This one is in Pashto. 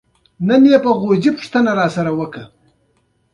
نالوستی دی خو د تعلیم په اهمیت پوهېږي.